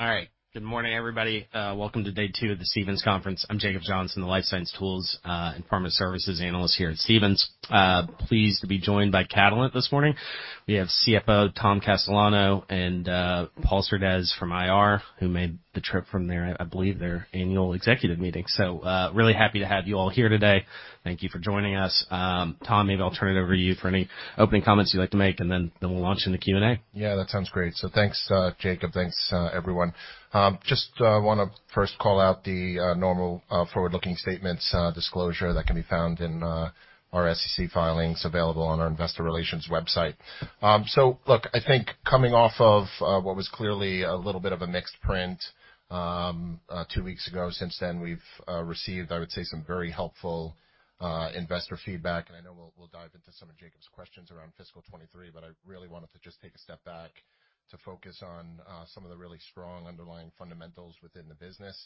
All right. Good, everybody. Welcome to day two of the Stephens Conference. I'm Jacob Johnson, the Life Science Tools and Performance Services Analyst here at Stephens. Pleased to be joined by Catalent this morning. We have CFO Tom Castellano and Paul Surdez from IR, who made the trip from their, I believe, their annual executive meeting. So really happy to have you all here today. Thank you for joining us. Tom, maybe I'll turn it over to you for any opening comments you'd like to make, and then we'll launch into Q&A. Yeah, that sounds great. So thanks, Jacob. Thanks, everyone. Just want to first call out the normal forward-looking statements disclosure that can be found in our SEC filings available on our Investor Relations website. So look, I think coming off of what was clearly a little bit of a mixed print two weeks ago, since then we've received, I would say, some very helpful investor feedback. And I know we'll dive into some of Jacob's questions around fiscal 2023, but I really wanted to just take a step back to focus on some of the really strong underlying fundamentals within the business.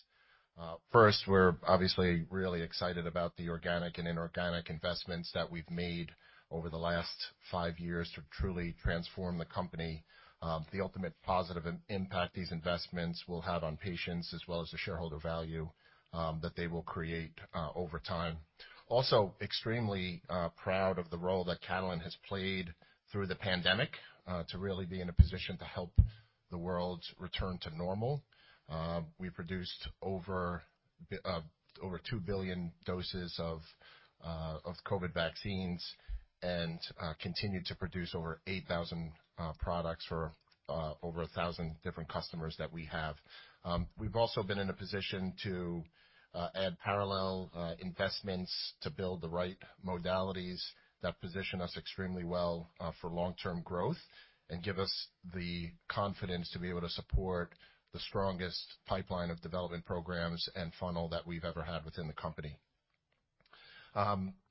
First, we're obviously really excited about the organic and inorganic investments that we've made over the last five years to truly transform the company. The ultimate positive impact these investments will have on patients, as well as the shareholder value that they will create over time. Also, extremely proud of the role that Catalent has played through the pandemic to really be in a position to help the world return to normal. We produced over 2 billion doses of COVID vaccines and continue to produce over 8,000 products for over 1,000 different customers that we have. We've also been in a position to add parallel investments to build the right modalities that position us extremely well for long-term growth and give us the confidence to be able to support the strongest pipeline of development programs and funnel that we've ever had within the company.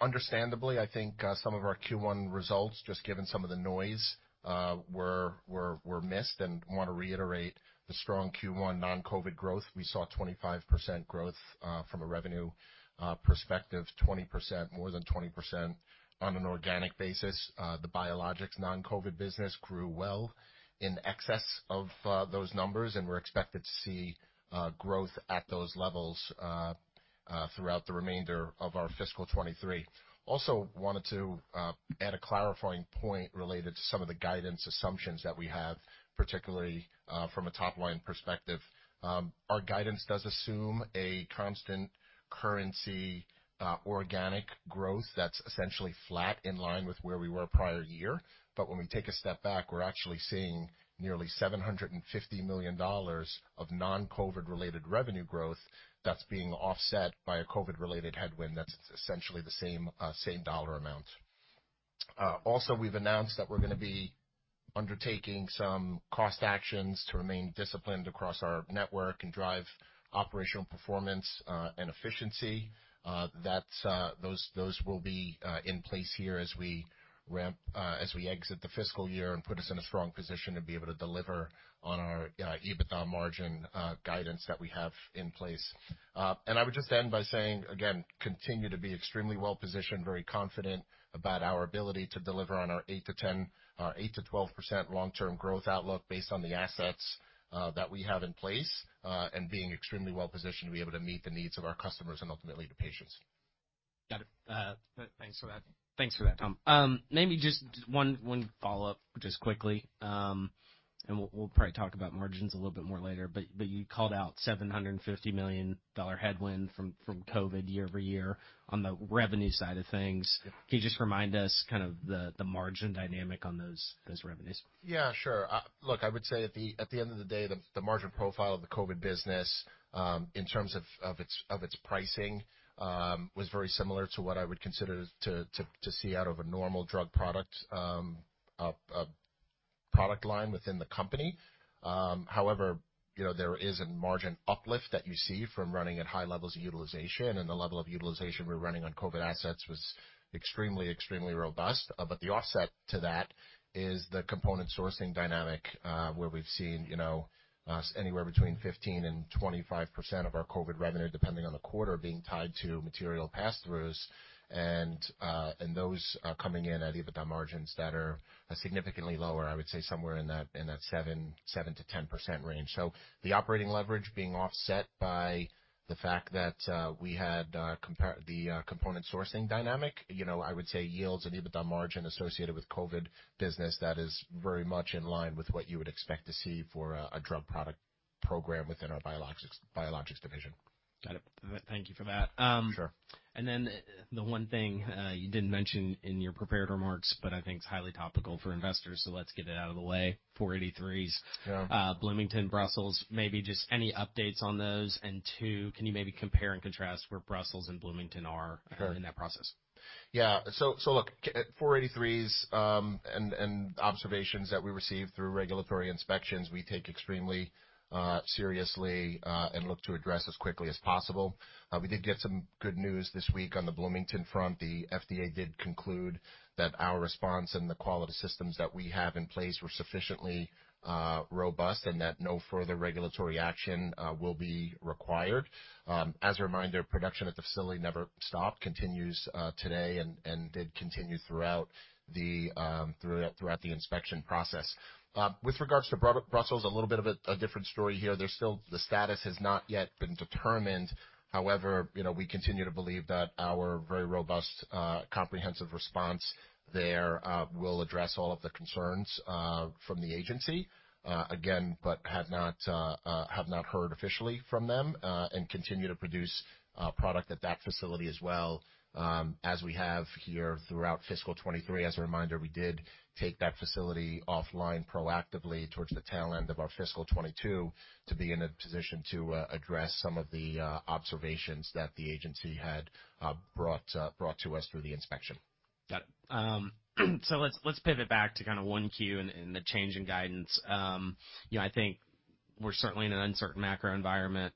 Understandably, I think some of our Q1 results, just given some of the noise, were missed. And I want to reiterate the strong Q1 non-COVID growth. We saw 25% growth from a revenue perspective, 20%, more than 20% on an organic basis. The biologics non-COVID business grew well in excess of those numbers, and we're expected to see growth at those levels throughout the remainder of our fiscal 2023. Also, wanted to add a clarifying point related to some of the guidance assumptions that we have, particularly from a top-line perspective. Our guidance does assume a constant currency organic growth that's essentially flat in line with where we were prior year. But when we take a step back, we're actually seeing nearly $750 million of non-COVID-related revenue growth that's being offset by a COVID-related headwind that's essentially the same dollar amount. Also, we've announced that we're going to be undertaking some cost actions to remain disciplined across our network and drive operational performance and efficiency. Those will be in place here as we exit the fiscal year and put us in a strong position to be able to deliver on our EBITDA margin guidance that we have in place, and I would just end by saying, again, continue to be extremely well-positioned, very confident about our ability to deliver on our 8%-12% long-term growth outlook based on the assets that we have in place and being extremely well-positioned to be able to meet the needs of our customers and ultimately the patients. Got it. Thanks for that. Thanks for that, Tom. Maybe just one follow-up, just quickly, and we'll probably talk about margins a little bit more later. But you called out $750 million headwind from COVID year-over-year on the revenue side of things. Can you just remind us kind of the margin dynamic on those revenues? Yeah, sure. Look, I would say at the end of the day, the margin profile of the COVID business, in terms of its pricing, was very similar to what I would consider to see out of a normal drug product product line within the company. However, there is a margin uplift that you see from running at high levels of utilization. And the level of utilization we're running on COVID assets was extremely, extremely robust. But the offset to that is the component sourcing dynamic, where we've seen anywhere between 15% and 25% of our COVID revenue, depending on the quarter, being tied to material pass-throughs. And those are coming in at EBITDA margins that are significantly lower, I would say, somewhere in that 7%-10% range. So the operating leverage being offset by the fact that we had the component sourcing dynamic, I would say yields an EBITDA margin associated with COVID business that is very much in line with what you would expect to see for a drug product program within our biologics division. Got it. Thank you for that. And then the one thing you didn't mention in your prepared remarks, but I think it's highly topical for investors, so let's get it out of the way, 483s, Bloomington, Brussels, maybe just any updates on those. And two, can you maybe compare and contrast where Brussels and Bloomington are in that process? Yeah. So look, 483s and observations that we receive through regulatory inspections, we take extremely seriously and look to address as quickly as possible. We did get some good news this week on the Bloomington front. The FDA did conclude that our response and the quality systems that we have in place were sufficiently robust and that no further regulatory action will be required. As a reminder, production at the facility never stopped, continues today, and did continue throughout the inspection process. With regards to Brussels, a little bit of a different story here. The status has not yet been determined. However, we continue to believe that our very robust comprehensive response there will address all of the concerns from the agency. Again, but have not heard officially from them and continue to produce product at that facility as well as we have here throughout fiscal 2023. As a reminder, we did take that facility offline proactively towards the tail end of our fiscal 2022 to be in a position to address some of the observations that the agency had brought to us through the inspection. Got it. So let's pivot back to kind of Q1 and the change in guidance. I think we're certainly in an uncertain macro environment,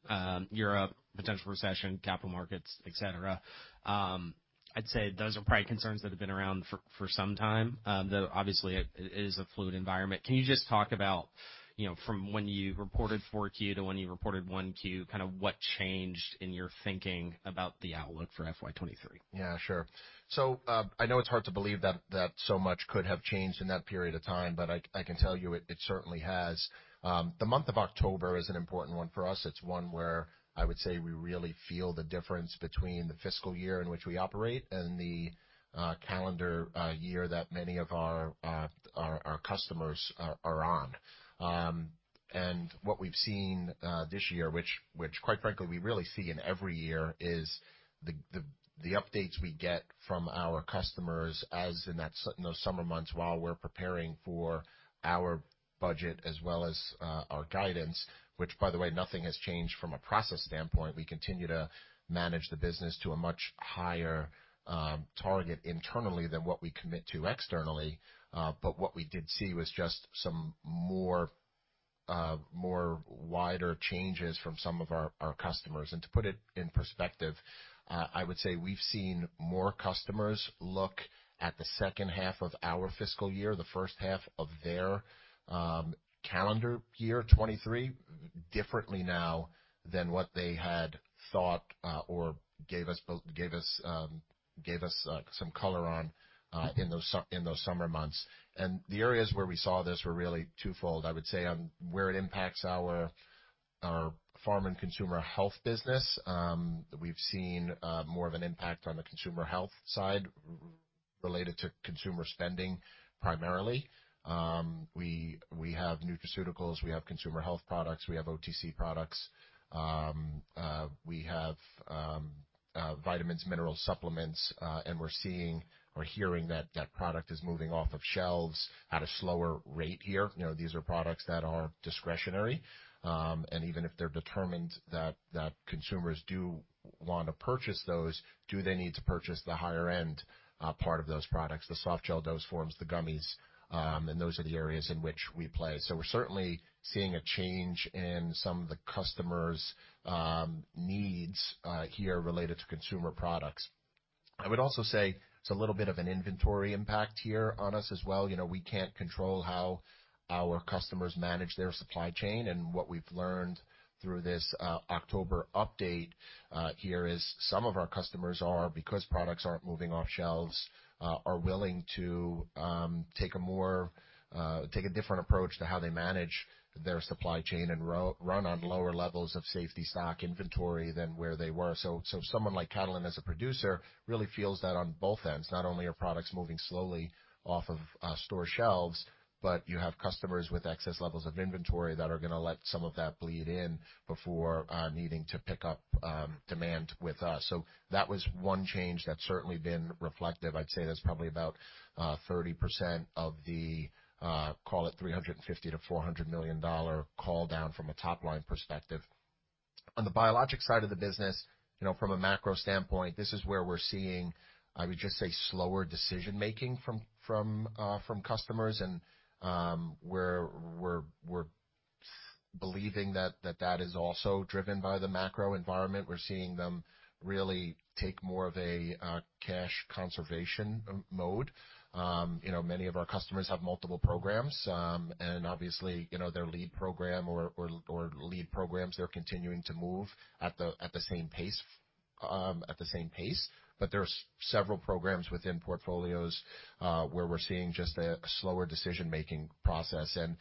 Europe, potential recession, capital markets, etc. I'd say those are probably concerns that have been around for some time. Obviously, it is a fluid environment. Can you just talk about from when you reported Q4 to when you reported Q1, kind of what changed in your thinking about the outlook for FY 2023? Yeah, sure. So I know it's hard to believe that so much could have changed in that period of time, but I can tell you it certainly has. The month of October is an important one for us. It's one where I would say we really feel the difference between the fiscal year in which we operate and the calendar year that many of our customers are on. And what we've seen this year, which quite frankly, we really see in every year, is the updates we get from our customers as in those summer months while we're preparing for our budget as well as our guidance, which, by the way, nothing has changed from a process standpoint. We continue to manage the business to a much higher target internally than what we commit to externally. But what we did see was just some more wider changes from some of our customers. And to put it in perspective, I would say we've seen more customers look at the second half of our fiscal year, the first half of their calendar year 2023, differently now than what they had thought or gave us some color on in those summer months. And the areas where we saw this were really twofold. I would say on where it impacts our Pharma and consumer health business, we've seen more of an impact on the consumer health side related to consumer spending primarily. We have nutraceuticals, we have consumer health products, we have OTC products, we have vitamins, mineral supplements, and we're seeing or hearing that that product is moving off of shelves at a slower rate here. These are products that are discretionary. Even if they're determined that consumers do want to purchase those, do they need to purchase the higher-end part of those products, the softgel dosage forms, the gummies? Those are the areas in which we play. We're certainly seeing a change in some of the customers' needs here related to consumer products. I would also say it's a little bit of an inventory impact here on us as well. We can't control how our customers manage their supply chain. What we've learned through this October update here is some of our customers are, because products aren't moving off shelves, willing to take a different approach to how they manage their supply chain and run on lower levels of safety stock inventory than where they were. Someone like Catalent as a producer really feels that on both ends, not only are products moving slowly off of store shelves, but you have customers with excess levels of inventory that are going to let some of that bleed in before needing to pick up demand with us. That was one change that's certainly been reflective. I'd say that's probably about 30% of the, call it, $350-$400 million call down from a top-line perspective. On the biologics side of the business, from a macro standpoint, this is where we're seeing, I would just say, slower decision-making from customers. We're believing that that is also driven by the macro environment. We're seeing them really take more of a cash conservation mode. Many of our customers have multiple programs. And obviously, their lead program or lead programs, they're continuing to move at the same pace, at the same pace. But there are several programs within portfolios where we're seeing just a slower decision-making process. And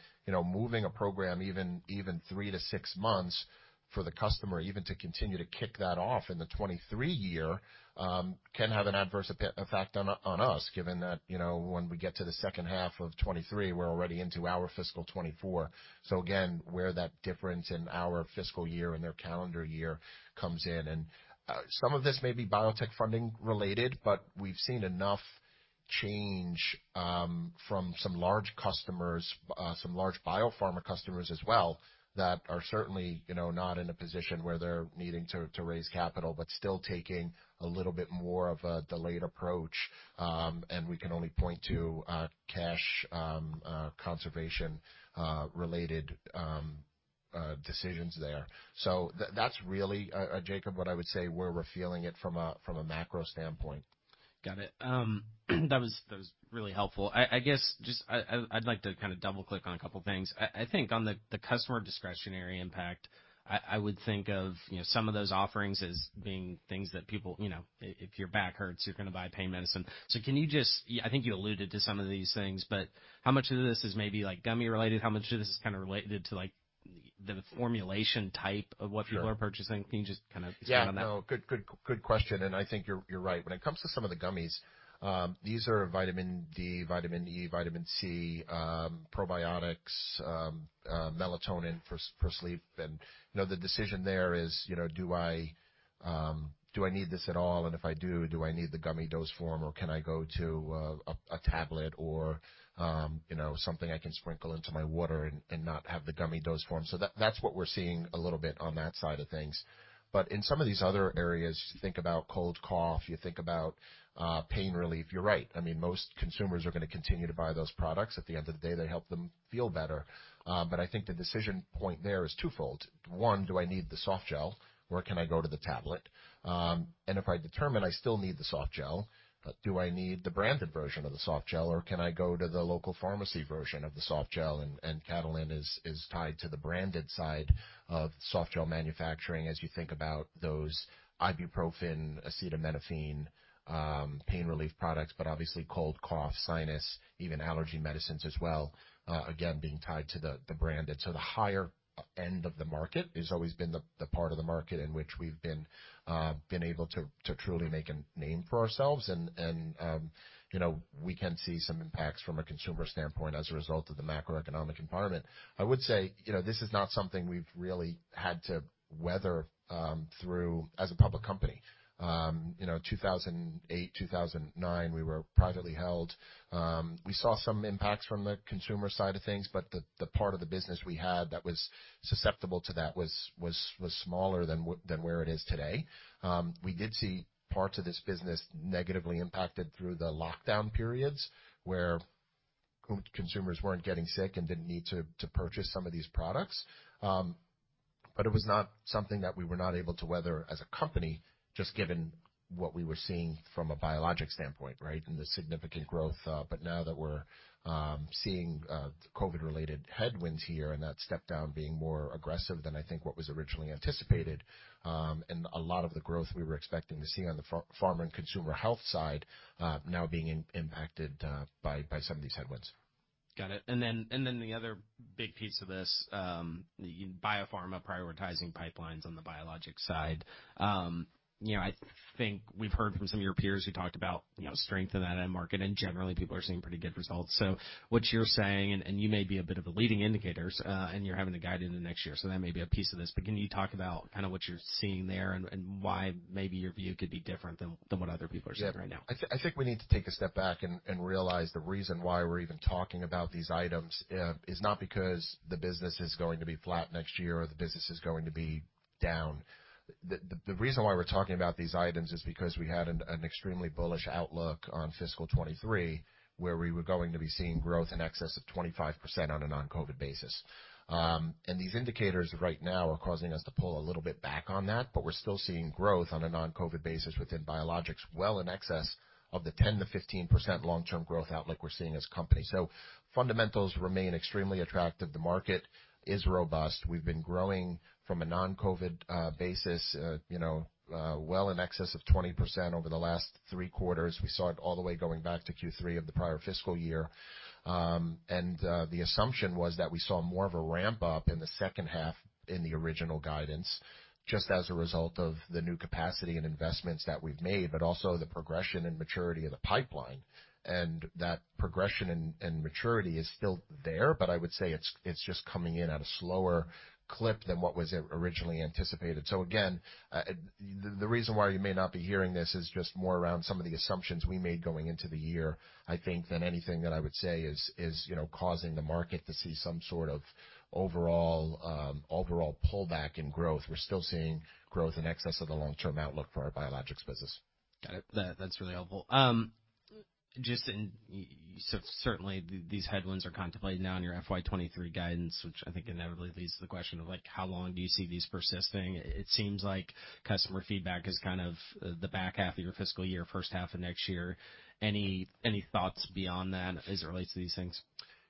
moving a program even three to six months for the customer even to continue to kick that off in the 2023 year can have an adverse effect on us, given that when we get to the second half of 2023, we're already into our fiscal 2024. So again, where that difference in our fiscal year and their calendar year comes in. And some of this may be biotech funding related, but we've seen enough change from some large customers, some large biopharma customers as well that are certainly not in a position where they're needing to raise capital, but still taking a little bit more of a delayed approach. We can only point to cash conservation-related decisions there. That's really, Jacob, what I would say where we're feeling it from a macro standpoint. Got it. That was really helpful. I guess just I'd like to kind of double-click on a couple of things. I think on the customer discretionary impact, I would think of some of those offerings as being things that people, if your back hurts, you're going to buy pain medicine. So can you just, I think you alluded to some of these things, but how much of this is maybe gummy-related? How much of this is kind of related to the formulation type of what people are purchasing? Can you just kind of expand on that? Yeah. No, good question. And I think you're right. When it comes to some of the gummies, these are Vitamin D, Vitamin E, Vitamin C, probiotics, melatonin for sleep. And the decision there is, do I need this at all? And if I do, do I need the gummy dose form, or can I go to a tablet or something I can sprinkle into my water and not have the gummy dose form? So that's what we're seeing a little bit on that side of things. But in some of these other areas, you think about cold cough, you think about pain relief. You're right. I mean, most consumers are going to continue to buy those products. At the end of the day, they help them feel better. But I think the decision point there is twofold. One, do I need the soft gel? Or, can I go to the tablet? And if I determine I still need the soft gel, do I need the branded version of the soft gel, or can I go to the local pharmacy version of the soft gel? And Catalent is tied to the branded side of soft gel manufacturing as you think about those ibuprofen, acetaminophen, pain relief products, but obviously cold, cough, sinus, even allergy medicines as well, again, being tied to the branded. So the higher end of the market has always been the part of the market in which we've been able to truly make a name for ourselves. And we can see some impacts from a consumer standpoint as a result of the macroeconomic environment. I would say this is not something we've really had to weather through as a public company. 2008, 2009, we were privately held. We saw some impacts from the consumer side of things, but the part of the business we had that was susceptible to that was smaller than where it is today. We did see parts of this business negatively impacted through the lockdown periods where consumers weren't getting sick and didn't need to purchase some of these products. But it was not something that we were not able to weather as a company, just given what we were seeing from a biologic standpoint, right, and the significant growth. But now that we're seeing COVID related headwinds here and that step down being more aggressive than I think what was originally anticipated, and a lot of the growth we were expecting to see on the pharma and consumer health side now being impacted by some of these headwinds. Got it and then the other big piece of this, biopharma prioritizing pipelines on the biologic side. I think we've heard from some of your peers who talked about strength in that end market, and generally, people are seeing pretty good results. So what you're saying, and you may be a bit of a leading indicator, and you're having to guide into next year, so that may be a piece of this. But can you talk about kind of what you're seeing there and why maybe your view could be different than what other people are seeing right now? Yeah. I think we need to take a step back and realize the reason why we're even talking about these items is not because the business is going to be flat next year or the business is going to be down. The reason why we're talking about these items is because we had an extremely bullish outlook on fiscal 2023 where we were going to be seeing growth in excess of 25% on a non-COVID basis. And these indicators right now are causing us to pull a little bit back on that, but we're still seeing growth on a non-COVID basis within biologics well in excess of the 10%-15% long-term growth outlook we're seeing as a company. So fundamentals remain extremely attractive. The market is robust. We've been growing from a non-COVID basis well in excess of 20% over the last three quarters. We saw it all the way going back to Q3 of the prior fiscal year, and the assumption was that we saw more of a ramp-up in the second half in the original guidance, just as a result of the new capacity and investments that we've made, but also the progression and maturity of the pipeline, and that progression and maturity is still there, but I would say it's just coming in at a slower clip than what was originally anticipated, so again, the reason why you may not be hearing this is just more around some of the assumptions we made going into the year, I think, than anything that I would say is causing the market to see some sort of overall pullback in growth. We're still seeing growth in excess of the long-term outlook for our biologics business. Got it. That's really helpful. Just certainly, these headwinds are contemplated now in your FY 2023 guidance, which I think inevitably leads to the question of how long do you see these persisting? It seems like customer feedback is kind of the back half of your fiscal year, first half of next year. Any thoughts beyond that as it relates to these things?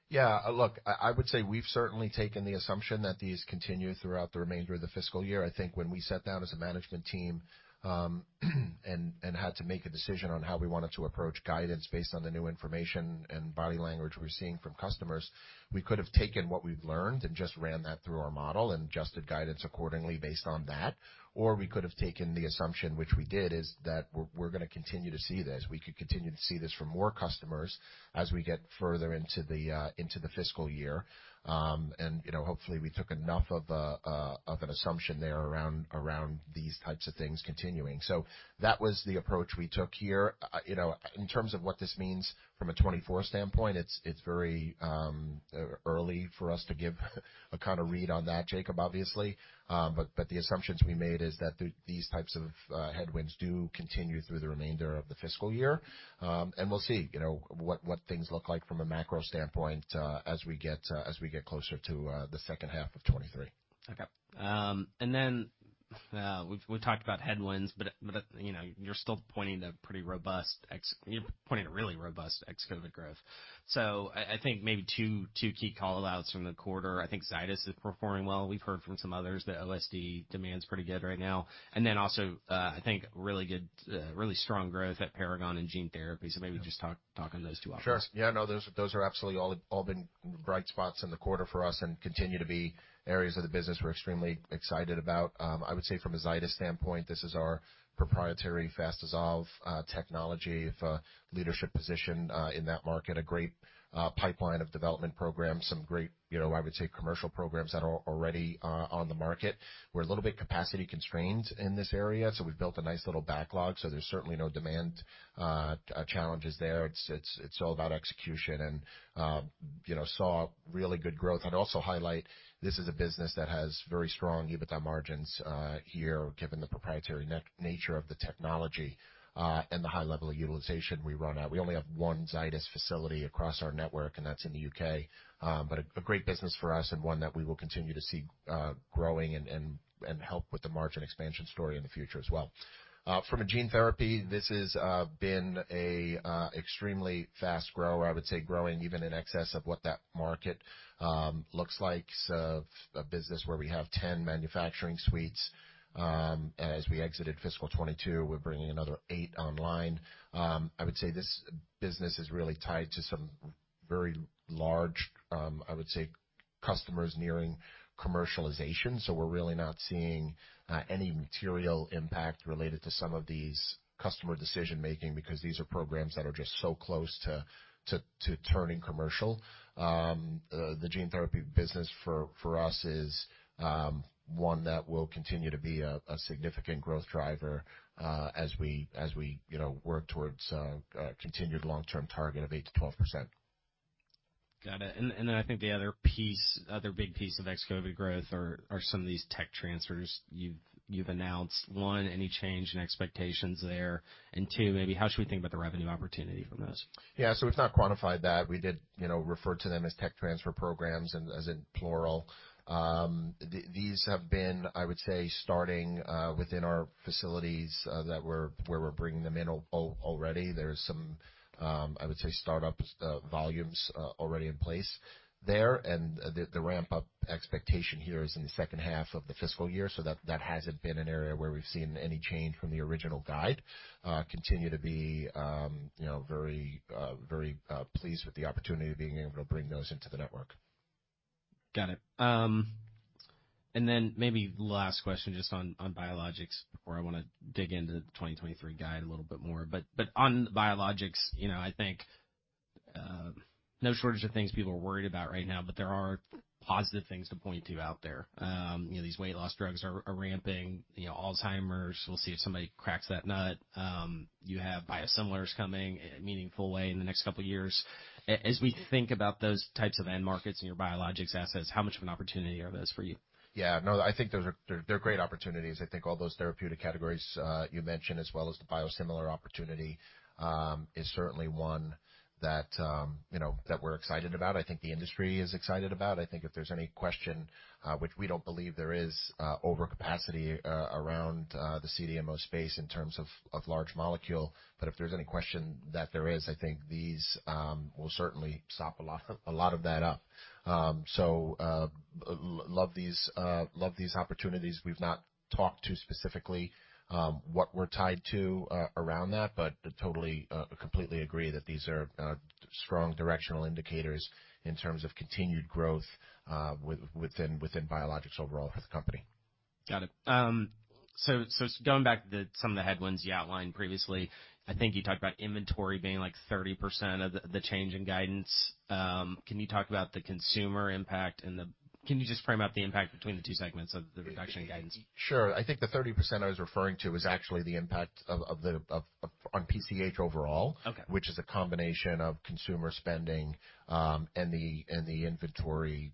Yeah. Look, I would say we've certainly taken the assumption that these continue throughout the remainder of the fiscal year. I think when we sat down as a management team and had to make a decision on how we wanted to approach guidance based on the new information and body language we're seeing from customers, we could have taken what we've learned and just ran that through our model and adjusted guidance accordingly based on that. Or we could have taken the assumption, which we did, is that we're going to continue to see this. We could continue to see this from more customers as we get further into the fiscal year. And hopefully, we took enough of an assumption there around these types of things continuing. So that was the approach we took here. In terms of what this means from a 2024 standpoint, it's very early for us to give a kind of read on that, Jacob, obviously. But the assumptions we made is that these types of headwinds do continue through the remainder of the fiscal year. And we'll see what things look like from a macro standpoint as we get closer to the second half of 2023. Okay. And then we talked about headwinds, but you're still pointing to pretty robust, you're pointing to really robust ex-COVID growth. So I think maybe two key callouts from the quarter. I think Zydis is performing well. We've heard from some others that OSD demand's pretty good right now. And then also, I think really strong growth at Paragon and gene therapy. So maybe just talk on those two options. Sure. Yeah. No, those are absolutely all been bright spots in the quarter for us and continue to be areas of the business we're extremely excited about. I would say from a Zydis standpoint, this is our proprietary fast-dissolving technology, a leadership position in that market, a great pipeline of development programs, some great, I would say, commercial programs that are already on the market. We're a little bit capacity constrained in this area, so we've built a nice little backlog. So there's certainly no demand challenges there. It's all about execution and saw really good growth. I'd also highlight this is a business that has very strong EBITDA margins here, given the proprietary nature of the technology and the high level of utilization we run at. We only have one Zydis facility across our network, and that's in the U.K. but a great business for us and one that we will continue to see growing and help with the margin expansion story in the future as well. From a gene therapy, this has been an extremely fast grower, I would say, growing even in excess of what that market looks like. so a business where we have 10 manufacturing suites. As we exited fiscal 2022, we're bringing another eight online. I would say this business is really tied to some very large, I would say, customers nearing commercialization. so we're really not seeing any material impact related to some of these customer decision-making because these are programs that are just so close to turning commercial. The gene therapy business for us is one that will continue to be a significant growth driver as we work towards a continued long-term target of 8%-12%. Got it. And then I think the other big piece of ex-COVID growth are some of these tech transfers you've announced. One, any change in expectations there? And two, maybe how should we think about the revenue opportunity from those? Yeah. So we've not quantified that. We did refer to them as tech transfer programs as in plural. These have been, I would say, starting within our facilities that we're bringing them in already. There's some, I would say, startup volumes already in place there. And the ramp-up expectation here is in the second half of the fiscal year. So that hasn't been an area where we've seen any change from the original guide. Continue to be very pleased with the opportunity of being able to bring those into the network. Got it. And then maybe last question just on biologics before I want to dig into the 2023 guide a little bit more. But on biologics, I think no shortage of things people are worried about right now, but there are positive things to point to out there. These weight loss drugs are ramping, Alzheimer's. We'll see if somebody cracks that nut. You have biosimilars coming in a meaningful way in the next couple of years. As we think about those types of end markets in your biologics assets, how much of an opportunity are those for you? Yeah. No, I think they're great opportunities. I think all those therapeutic categories you mentioned, as well as the biosimilar opportunity, is certainly one that we're excited about. I think the industry is excited about. I think if there's any question, which we don't believe there is, over capacity around the CDMO space in terms of large molecule. But if there's any question that there is, I think these will certainly sop a lot of that up. So love these opportunities. We've not talked too specifically what we're tied to around that, but totally, completely agree that these are strong directional indicators in terms of continued growth within biologics overall for the company. Got it. So going back to some of the headwinds you outlined previously, I think you talked about inventory being like 30% of the change in guidance. Can you talk about the consumer impact and then can you just frame out the impact between the two segments of the reduction in guidance? Sure. I think the 30% I was referring to is actually the impact on PCH overall, which is a combination of consumer spending and the inventory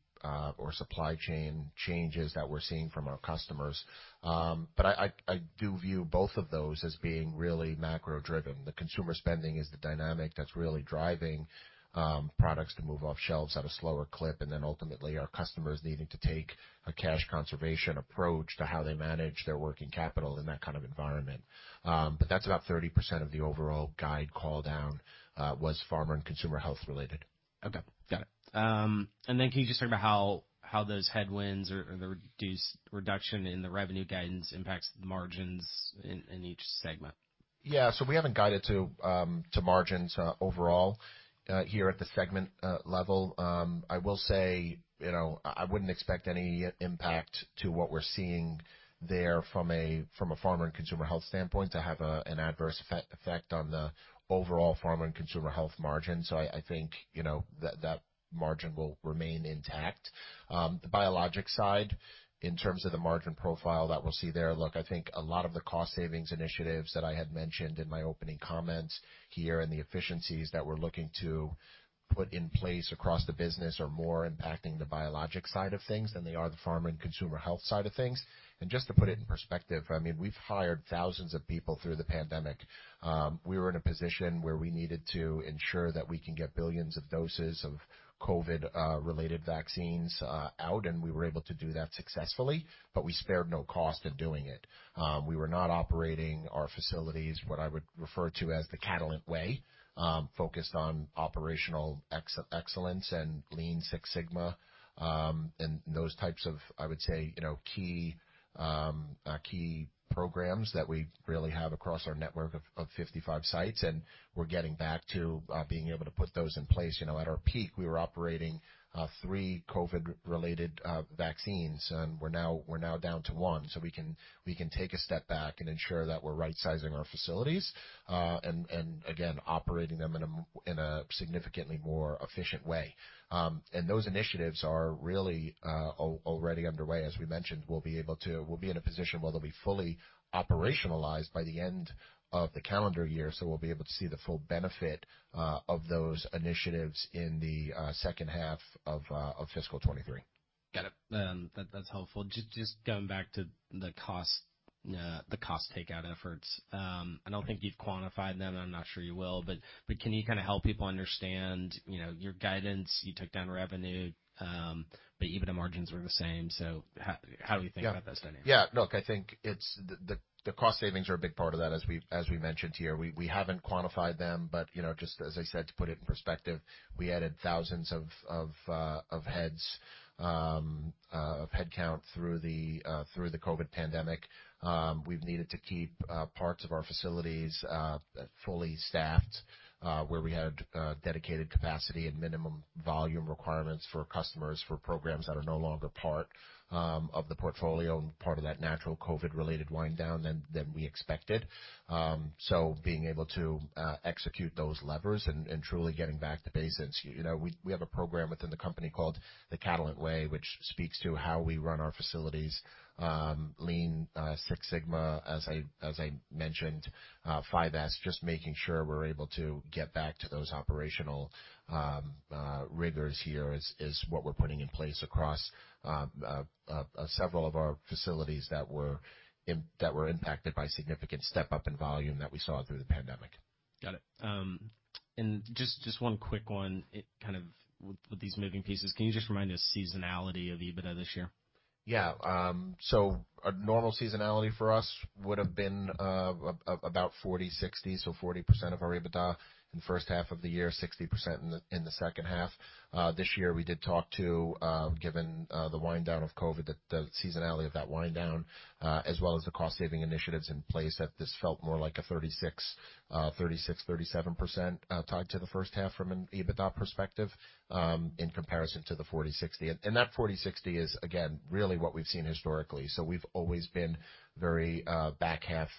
or supply chain changes that we're seeing from our customers. But I do view both of those as being really macro-driven. The consumer spending is the dynamic that's really driving products to move off shelves at a slower clip, and then ultimately our customers needing to take a cash conservation approach to how they manage their working capital in that kind of environment. But that's about 30% of the overall guide call down, which was pharma and consumer health related. Okay. Got it. And then can you just talk about how those headwinds or the reduction in the revenue guidance impacts the margins in each segment? Yeah. So we haven't guided to margins overall here at the segment level. I will say I wouldn't expect any impact to what we're seeing there from a pharma and consumer health standpoint to have an adverse effect on the overall pharma and consumer health margin. So I think that margin will remain intact. The biologic side, in terms of the margin profile that we'll see there, look, I think a lot of the cost savings initiatives that I had mentioned in my opening comments here and the efficiencies that we're looking to put in place across the business are more impacting the biologic side of things than they are the pharma and consumer health side of things. And just to put it in perspective, I mean, we've hired thousands of people through the pandemic. We were in a position where we needed to ensure that we can get billions of doses of COVID-related vaccines out, and we were able to do that successfully, but we spared no cost in doing it. We were not operating our facilities, what I would refer to as the Catalent way, focused on operational excellence and Lean Six Sigma and those types of, I would say, key programs that we really have across our network of 55 sites, and we're getting back to being able to put those in place. At our peak, we were operating three COVID-related vaccines, and we're now down to one, so we can take a step back and ensure that we're right-sizing our facilities and, again, operating them in a significantly more efficient way, and those initiatives are really already underway. As we mentioned, we'll be in a position where they'll be fully operationalized by the end of the calendar year, so we'll be able to see the full benefit of those initiatives in the second half of fiscal 2023. Got it. That's helpful. Just going back to the cost takeout efforts, I don't think you've quantified them. I'm not sure you will, but can you kind of help people understand your guidance? You took down revenue, but even the margins were the same. So how do we think about that dynamic? Yeah. Look, I think the cost savings are a big part of that, as we mentioned here. We haven't quantified them, but just as I said, to put it in perspective, we added thousands of heads, of headcount through the COVID pandemic. We've needed to keep parts of our facilities fully staffed where we had dedicated capacity and minimum volume requirements for customers for programs that are no longer part of the portfolio and part of that natural COVID-related wind-down that we expected. So being able to execute those levers and truly getting back to basics. We have a program within the company called the Catalent Way, which speaks to how we run our facilities, Lean Six Sigma, as I mentioned, 5S, just making sure we're able to get back to those operational rigors. Here is what we're putting in place across several of our facilities that were impacted by significant step-up in volume that we saw through the pandemic. Got it. And just one quick one kind of with these moving pieces. Can you just remind us of seasonality of EBITDA this year? Yeah. So a normal seasonality for us would have been about 40-60. So 40% of our EBITDA in the first half of the year, 60% in the second half. This year, we did talk to, given the wind down of COVID, the seasonality of that wind down, as well as the cost saving initiatives in place that this felt more like a 36%-37% tied to the first half from an EBITDA perspective in comparison to the 40-60. And that 40-60 is, again, really what we've seen historically. So we've always been very back half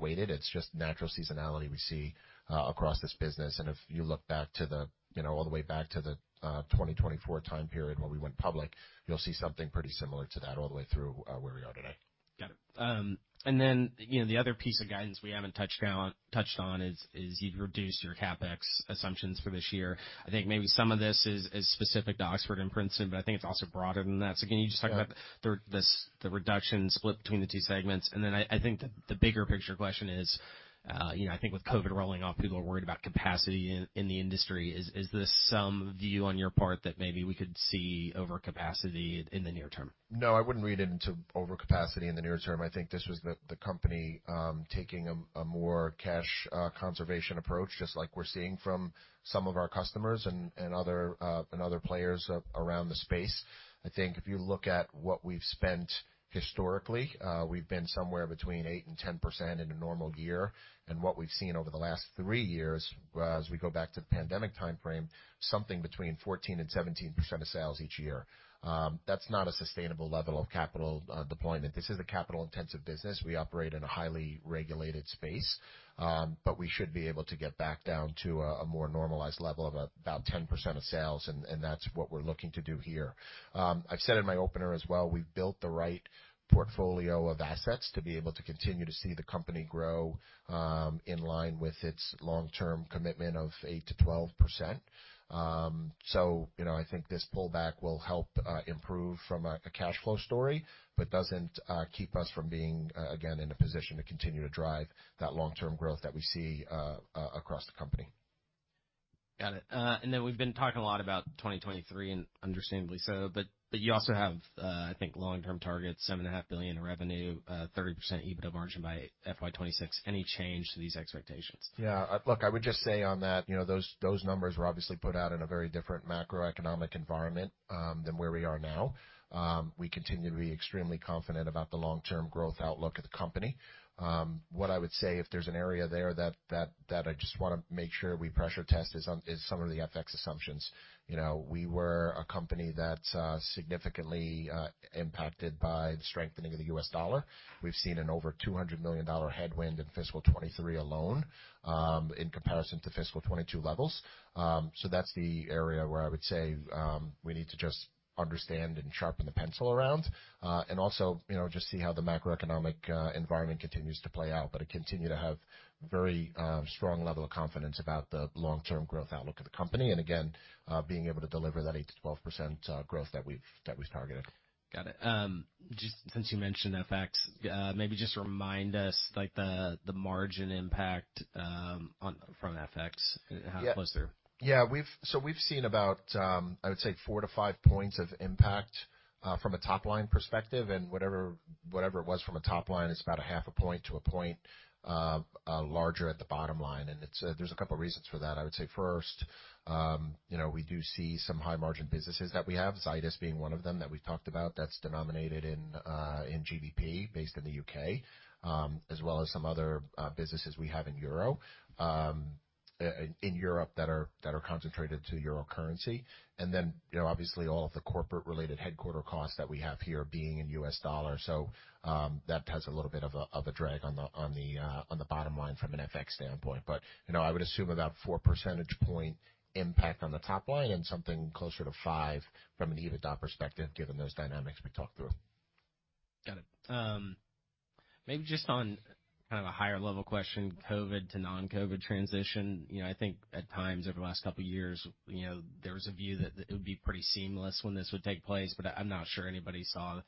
weighted. It's just natural seasonality we see across this business. And if you look back to the all the way back to the 2024 time period where we went public, you'll see something pretty similar to that all the way through where we are today. Got it. And then the other piece of guidance we haven't touched on is you've reduced your CapEx assumptions for this year. I think maybe some of this is specific to Oxford and Princeton, but I think it's also broader than that. So can you just talk about the reduction split between the two segments? And then I think the bigger picture question is, I think with COVID rolling off, people are worried about capacity in the industry. Is this some view on your part that maybe we could see overcapacity in the near term? No, I wouldn't read it into overcapacity in the near term. I think this was the company taking a more cash conservation approach, just like we're seeing from some of our customers and other players around the space. I think if you look at what we've spent historically, we've been somewhere between 8%-10% in a normal year. And what we've seen over the last three years, as we go back to the pandemic timeframe, something between 14%-17% of sales each year. That's not a sustainable level of capital deployment. This is a capital-intensive business. We operate in a highly regulated space, but we should be able to get back down to a more normalized level of about 10% of sales, and that's what we're looking to do here. I've said in my opener as well, we've built the right portfolio of assets to be able to continue to see the company grow in line with its long-term commitment of 8%-12%. So I think this pullback will help improve from a cash flow story, but doesn't keep us from being, again, in a position to continue to drive that long-term growth that we see across the company. Got it. And then we've been talking a lot about 2023, and understandably so, but you also have, I think, long-term targets, $7.5 billion in revenue, 30% EBITDA margin by FY 2026. Any change to these expectations? Yeah. Look, I would just say on that, those numbers were obviously put out in a very different macroeconomic environment than where we are now. We continue to be extremely confident about the long-term growth outlook of the company. What I would say, if there's an area there that I just want to make sure we pressure test is some of the FX assumptions. We were a company that's significantly impacted by the strengthening of the U.S. dollar. We've seen an over $200 million headwind in fiscal 2023 alone in comparison to fiscal 2022 levels. So that's the area where I would say we need to just understand and sharpen the pencil around and also just see how the macroeconomic environment continues to play out, but continue to have a very strong level of confidence about the long-term growth outlook of the company and, again, being able to deliver that 8%-12% growth that we've targeted. Got it. Just since you mentioned FX, maybe just remind us the margin impact from FX, how close they're. Yeah. So we've seen about, I would say, four to five points of impact from a top-line perspective. Whatever it was from a top line, it's about 0.5 to 1 point larger at the bottom line. There's a couple of reasons for that. I would say, first, we do see some high-margin businesses that we have, Zydis being one of them that we've talked about, that's denominated in GBP based in the U.K., as well as some other businesses we have in Europe that are concentrated to euro currency. Then, obviously, all of the corporate-related headquarters costs that we have here being in U.S. dollars. So that has a little bit of a drag on the bottom line from an FX standpoint. But I would assume about a four percentage point impact on the top line and something closer to five from an EBITDA perspective, given those dynamics we talked through. Got it. Maybe just on kind of a higher-level question, COVID to non-COVID transition, I think at times over the last couple of years, there was a view that it would be pretty seamless when this would take place, but I'm not sure anybody saw,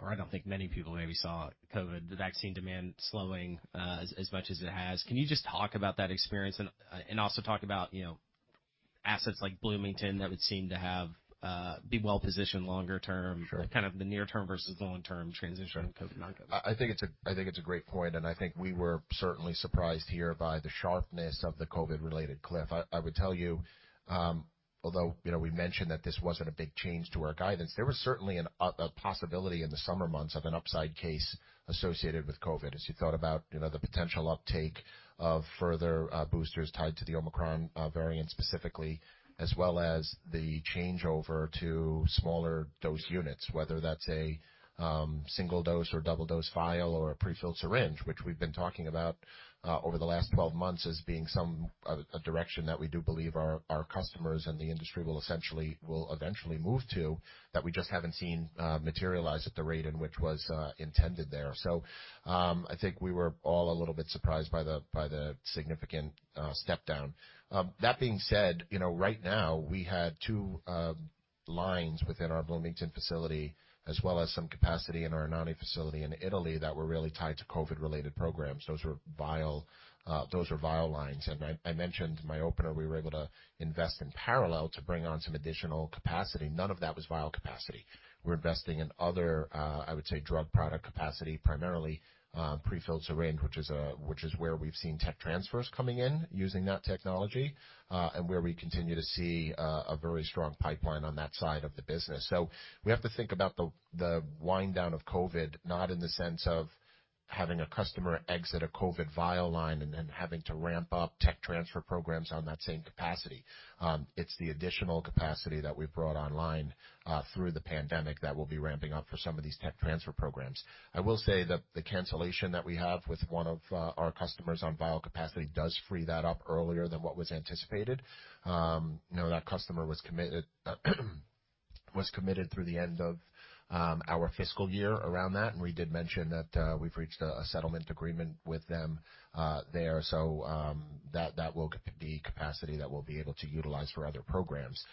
or I don't think many people maybe saw COVID, the vaccine demand slowing as much as it has. Can you just talk about that experience and also talk about assets like Bloomington that would seem to be well-positioned longer term, kind of the near-term versus long-term transition of COVID non-COVID? I think it's a great point, and I think we were certainly surprised here by the sharpness of the COVID-related cliff. I would tell you, although we mentioned that this wasn't a big change to our guidance, there was certainly a possibility in the summer months of an upside case associated with COVID as you thought about the potential uptake of further boosters tied to the Omicron variant specifically, as well as the changeover to smaller dose units, whether that's a single dose or double dose vial or a prefilled syringe, which we've been talking about over the last 12 months as being some direction that we do believe our customers and the industry will eventually move to that we just haven't seen materialize at the rate in which was intended there, so I think we were all a little bit surprised by the significant step down. That being said, right now, we had two lines within our Bloomington facility, as well as some capacity in our Anagni facility in Italy that were really tied to COVID-related programs. Those were vial lines. And I mentioned in my opener, we were able to invest in parallel to bring on some additional capacity. None of that was vial capacity. We're investing in other, I would say, drug product capacity, primarily prefilled syringe, which is where we've seen tech transfers coming in using that technology and where we continue to see a very strong pipeline on that side of the business. So we have to think about the wind down of COVID, not in the sense of having a customer exit a COVID vial line and then having to ramp up tech transfer programs on that same capacity. It's the additional capacity that we've brought online through the pandemic that we'll be ramping up for some of these tech transfer programs. I will say that the cancellation that we have with one of our customers on vial capacity does free that up earlier than what was anticipated. That customer was committed through the end of our fiscal year around that, and we did mention that we've reached a settlement agreement with them there, so that will be capacity that we'll be able to utilize for other programs.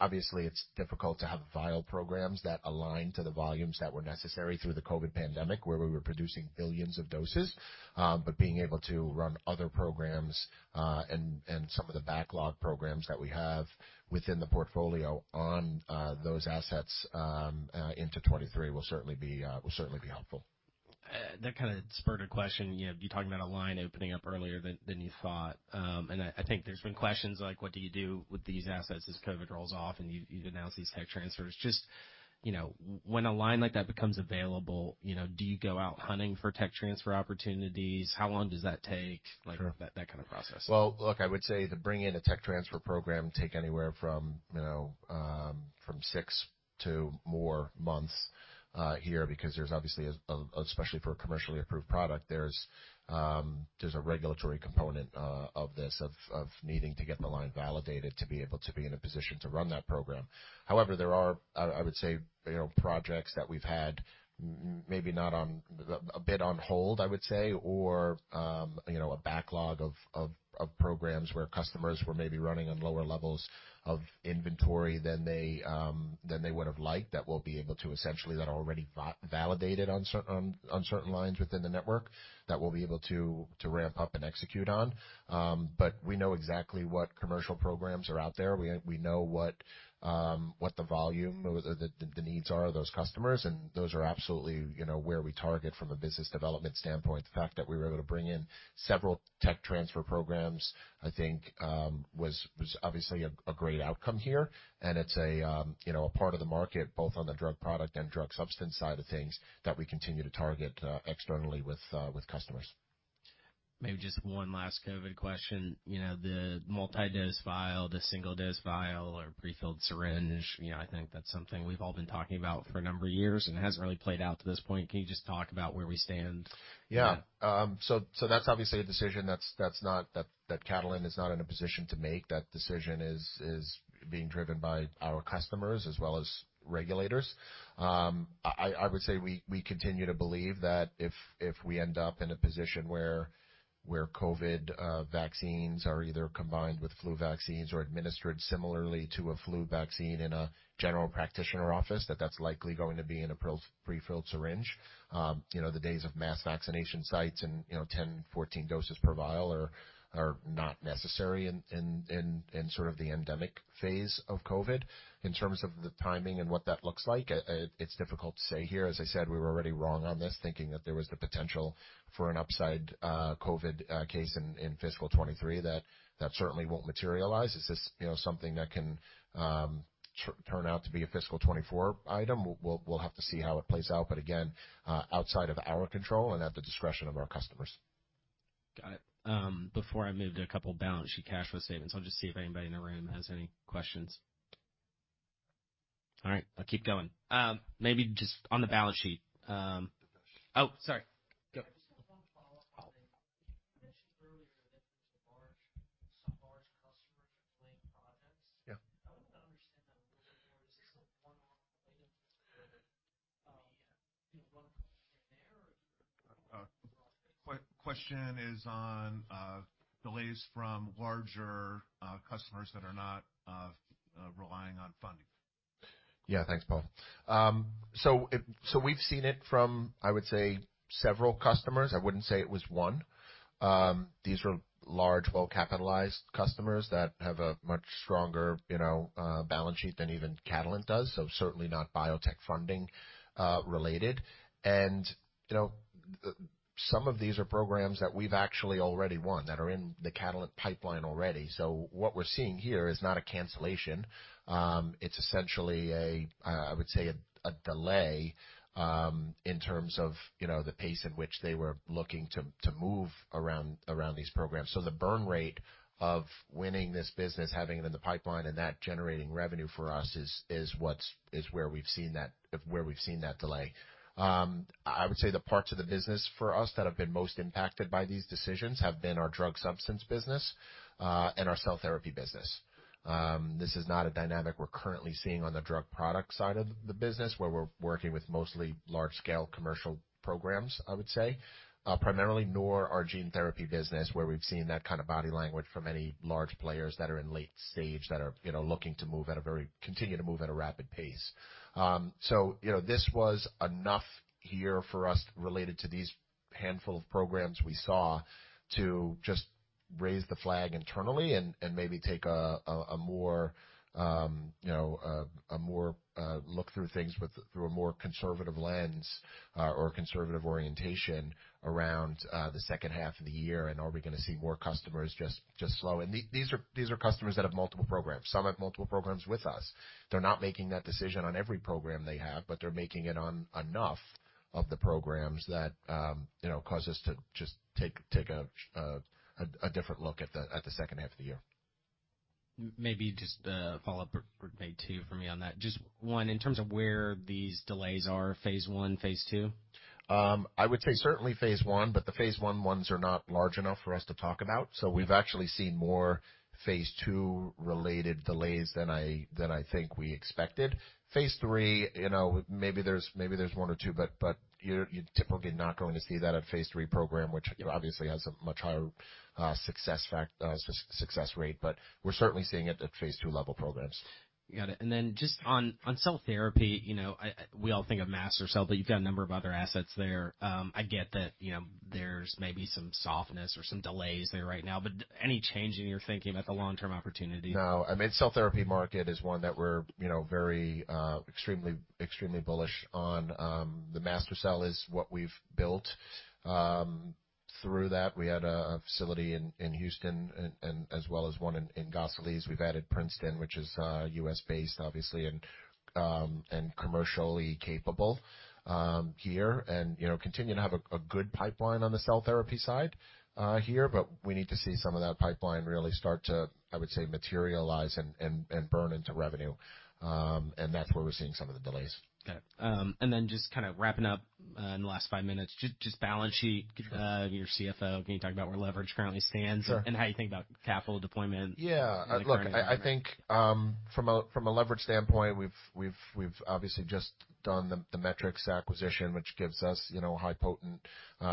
Obviously, it's difficult to have vial programs that align to the volumes that were necessary through the COVID pandemic where we were producing billions of doses, but being able to run other programs and some of the backlog programs that we have within the portfolio on those assets into 2023 will certainly be helpful. That kind of spurred a question. You're talking about a line opening up earlier than you thought. And I think there's been questions like, "What do you do with these assets as COVID rolls off and you've announced these tech transfers?" Just when a line like that becomes available, do you go out hunting for tech transfer opportunities? How long does that take, that kind of process? Look, I would say to bring in a tech transfer program take anywhere from six to more months here because there's obviously, especially for a commercially approved product, there's a regulatory component of this, of needing to get the line validated to be able to be in a position to run that program. However, there are, I would say, projects that we've had maybe a bit on hold, I would say, or a backlog of programs where customers were maybe running on lower levels of inventory than they would have liked that we'll be able to essentially that are already validated on certain lines within the network that we'll be able to ramp up and execute on. We know exactly what commercial programs are out there. We know what the volume, the needs are of those customers. Those are absolutely where we target from a business development standpoint. The fact that we were able to bring in several tech transfer programs, I think, was obviously a great outcome here. It's a part of the market, both on the drug product and drug substance side of things, that we continue to target externally with customers. Maybe just one last COVID question. The multi-dose vial, the single dose vial, or prefilled syringe, I think that's something we've all been talking about for a number of years, and it hasn't really played out to this point. Can you just talk about where we stand? Yeah. So that's obviously a decision that Catalent is not in a position to make. That decision is being driven by our customers as well as regulators. I would say we continue to believe that if we end up in a position where COVID vaccines are either combined with flu vaccines or administered similarly to a flu vaccine in a general practitioner office, that that's likely going to be in a prefilled syringe. The days of mass vaccination sites and 10, 14 doses per vial are not necessary in sort of the endemic phase of COVID. In terms of the timing and what that looks like, it's difficult to say here. As I said, we were already wrong on this, thinking that there was the potential for an upside COVID case in fiscal 2023 that certainly won't materialize. Is this something that can turn out to be a fiscal 2024 item? We'll have to see how it plays out. But again, outside of our control and at the discretion of our customers. Got it. Before I move to a couple of balance sheet cash flow statements, I'll just see if anybody in the room has any questions. All right. I'll keep going. Maybe just on the balance sheet. Oh, sorry. Go. I just have one follow-up. You mentioned earlier that there's some large customers are doing projects. I wanted to understand that a little bit more. Is this a one-off delay that just occurred? The one project here and there, or is it overall? Question is on delays from larger customers that are not relying on funding. Yeah. Thanks, Paul. So we've seen it from, I would say, several customers. I wouldn't say it was one. These are large, well-capitalized customers that have a much stronger balance sheet than even Catalent does, so certainly not biotech funding related. And some of these are programs that we've actually already won that are in the Catalent pipeline already. So what we're seeing here is not a cancellation. It's essentially, I would say, a delay in terms of the pace at which they were looking to move around these programs. So the burn rate of winning this business, having it in the pipeline, and that generating revenue for us is where we've seen that delay. I would say the parts of the business for us that have been most impacted by these decisions have been our drug substance business and our cell therapy business. This is not a dynamic we're currently seeing on the drug product side of the business where we're working with mostly large-scale commercial programs, I would say, primarily, nor our gene therapy business where we've seen that kind of body language from any large players that are in late stage that are looking to move at a very continue to move at a rapid pace. So this was enough here for us related to these handful of programs we saw to just raise the flag internally and maybe take a more look through things through a more conservative lens or conservative orientation around the second half of the year and are we going to see more customers just slow, and these are customers that have multiple programs. Some have multiple programs with us. They're not making that decision on every program they have, but they're making it on enough of the programs that cause us to just take a different look at the second half of the year. Maybe just a follow-up would be two for me on that. Just one, in terms of where these delays are, phase one, phase two? I would say certainly phase one, but the phase one ones are not large enough for us to talk about. So we've actually seen more phase two related delays than I think we expected. Phase three, maybe there's one or two, but you're typically not going to see that at phase three program, which obviously has a much higher success rate. But we're certainly seeing it at phase two level programs. Got it. And then just on cell therapy, we all think of MaSTherCell, but you've got a number of other assets there. I get that there's maybe some softness or some delays there right now, but any change in your thinking about the long-term opportunity? No. I mean, cell therapy market is one that we're very extremely bullish on. The MaSTherCell is what we've built through that. We had a facility in Houston as well as one in Gosselies. We've added Princeton, which is U.S.-based, obviously, and commercially capable here, and continue to have a good pipeline on the cell therapy side here, but we need to see some of that pipeline really start to, I would say, materialize and burn into revenue. And that's where we're seeing some of the delays. Got it. And then just kind of wrapping up in the last five minutes, just balance sheet, your CFO, can you talk about where leverage currently stands and how you think about capital deployment? Yeah. Look, I think from a leverage standpoint, we've obviously just done the Metrics acquisition, which gives us high potent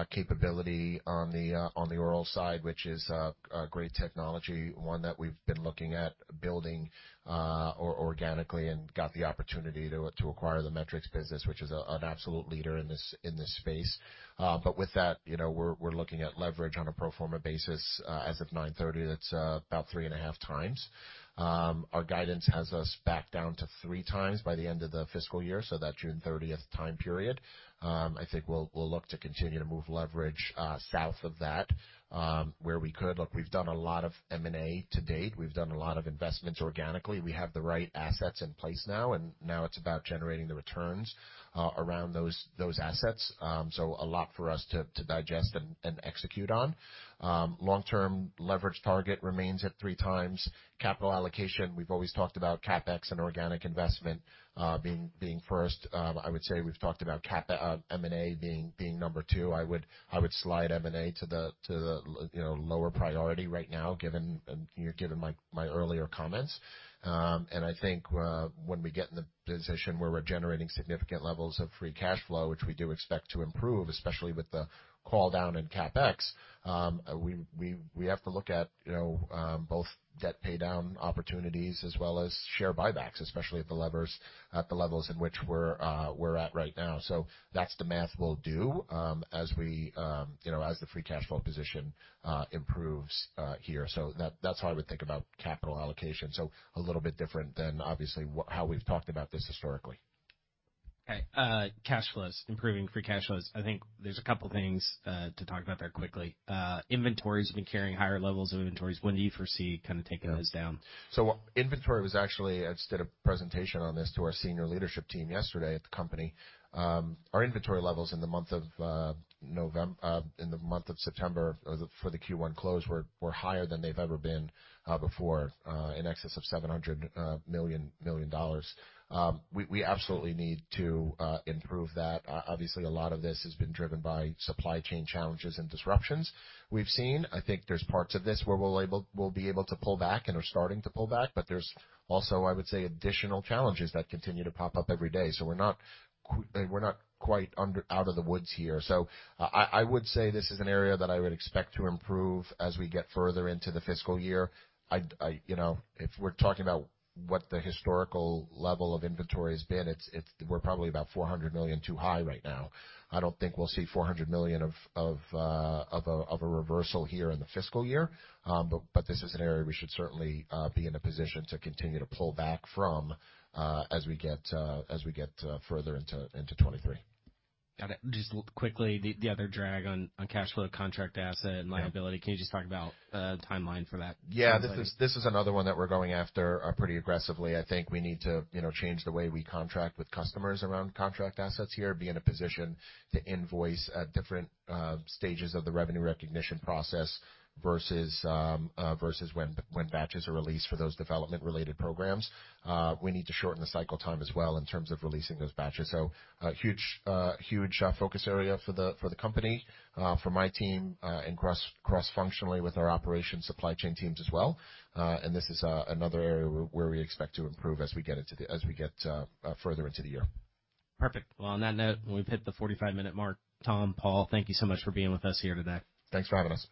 capability on the oral side, which is a great technology, one that we've been looking at building organically and got the opportunity to acquire the Metrics business, which is an absolute leader in this space. But with that, we're looking at leverage on a pro forma basis. As of 9/30, it's about three and a half times. Our guidance has us back down to three times by the end of the fiscal year, so that June 30th time period. I think we'll look to continue to move leverage south of that where we could. Look, we've done a lot of M&A to date. We've done a lot of investments organically. We have the right assets in place now, and now it's about generating the returns around those assets. So a lot for us to digest and execute on. Long-term leverage target remains at three times. Capital allocation, we've always talked about CapEx and organic investment being first. I would say we've talked about M&A being number two. I would slide M&A to the lower priority right now, given my earlier comments. And I think when we get in the position where we're generating significant levels of free cash flow, which we do expect to improve, especially with the cool down in CapEx, we have to look at both debt pay down opportunities as well as share buybacks, especially at the levels in which we're at right now. So that's the math we'll do as the free cash flow position improves here. So that's how I would think about capital allocation. So a little bit different than obviously how we've talked about this historically. Okay. Cash flows, improving free cash flows. I think there's a couple of things to talk about there quickly. Inventory has been carrying higher levels of inventories. When do you foresee kind of taking those down? So, inventory was actually, I just did a presentation on this to our senior leadership team yesterday at the company. Our inventory levels in the month of September for the Q1 close were higher than they've ever been before, in excess of $700 million. We absolutely need to improve that. Obviously, a lot of this has been driven by supply chain challenges and disruptions we've seen. I think there's parts of this where we'll be able to pull back and are starting to pull back. But there's also, I would say, additional challenges that continue to pop up every day. So we're not quite out of the woods here. So I would say this is an area that I would expect to improve as we get further into the fiscal year. If we're talking about what the historical level of inventory has been, we're probably about $400 million too high right now. I don't think we'll see $400 million of a reversal here in the fiscal year, but this is an area we should certainly be in a position to continue to pull back from as we get further into 2023. Got it. Just quickly, the other drag on cash flow, contract asset, and liability. Can you just talk about the timeline for that? Yeah. This is another one that we're going after pretty aggressively. I think we need to change the way we contract with customers around contract assets here, be in a position to invoice at different stages of the revenue recognition process versus when batches are released for those development-related programs. We need to shorten the cycle time as well in terms of releasing those batches. So huge focus area for the company, for my team, and cross-functionally with our operations supply chain teams as well. And this is another area where we expect to improve as we get further into the year. Perfect. Well, on that note, we've hit the 45-minute mark. Tom, Paul, thank you so much for being with us here today. Thanks for having us.